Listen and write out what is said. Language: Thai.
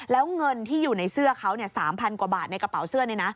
แล้วเงินที่อยู่ในเสื้อเขาเนี่ยสามพันกว่าบาทในกระเป๋าเสื้อเนี่ยนะ